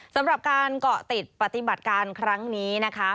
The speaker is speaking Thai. สำหรับการเกาะติดปฏิบัติการครั้งนี้นะคะ